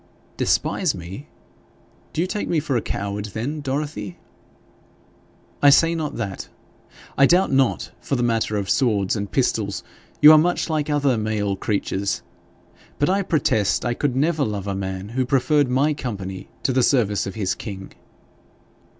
'Despise me! Do you take me for a coward then, Dorothy?' 'I say not that. I doubt not, for the matter of swords and pistols, you are much like other male creatures; but I protest I could never love a man who preferred my company to the service of his king.'